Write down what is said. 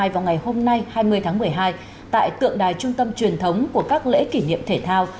vào ngày hôm nay hai mươi tháng một mươi hai tại tượng đài trung tâm truyền thống của các lễ kỷ niệm thể thao